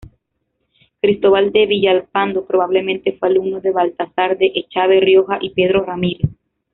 Cristóbal de Villalpando probablemente fue alumno de Baltasar de Echave Rioja y Pedro Ramírez.